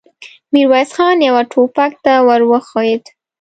ميرويس خان يوه ټوپک ته ور وښويېد.